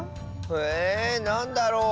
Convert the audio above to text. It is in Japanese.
えなんだろう？